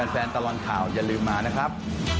แฟนตลอดข่าวอย่าลืมมานะครับ